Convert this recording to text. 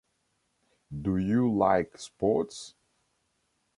Do you like sports?